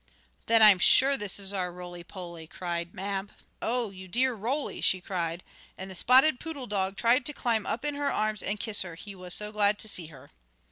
"Then I'm sure this is our Roly Poly!" cried "Oh, you dear Roly!" she cried, and the spotted poodle dog tried to climb up in her arms and kiss her, he was so glad to see her.